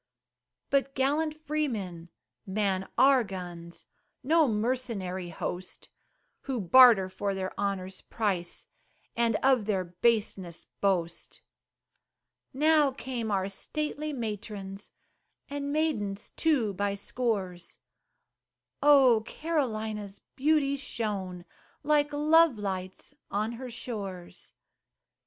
But gallant freemen man our guns No mercenary host, Who barter for their honor's price, And of their baseness boast. Now came our stately matrons, And maidens too by scores; Oh! Carolina's beauty shone Like love lights on her shores.